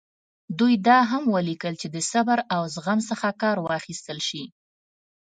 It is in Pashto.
دوی دا هم ولیکل چې د صبر او زغم څخه کار واخیستل شي.